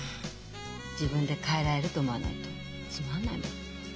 「自分で変えられる」と思わないとつまんないもん。